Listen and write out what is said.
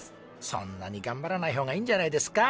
そんなにがんばらない方がいいんじゃないですか？